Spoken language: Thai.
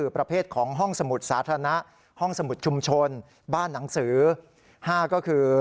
ประเภทของห้องสมุดสาธารณะห้องสมุดชุมชนบ้านหนังสือ๕ก็คือ